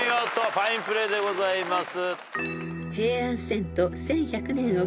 ファインプレーでございます。